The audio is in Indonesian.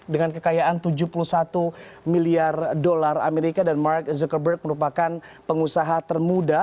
dengan kekayaan tujuh puluh satu miliar dolar amerika dan mark zuckerberg merupakan pengusaha termuda